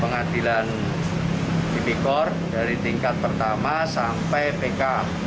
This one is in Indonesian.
pengadilan tipikor dari tingkat pertama sampai pk